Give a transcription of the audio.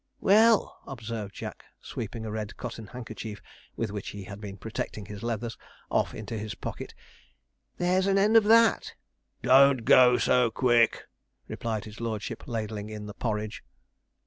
'Well,' observed Jack, sweeping a red cotton handkerchief, with which he had been protecting his leathers, off into his pocket, 'there's an end of that.' 'Don't go so quick,' replied his lordship, ladling in the porridge.